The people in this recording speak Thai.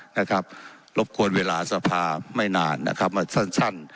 นะครับรบกวนเวลาสภาไม่นานนะครับมาสั้นสั้น